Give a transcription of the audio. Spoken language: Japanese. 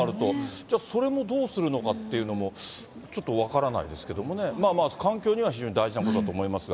じゃあそれもどうするのかっていうのも、ちょっと分からないですけれどもね、まあまあ環境には非常に大事なことだと思いますが。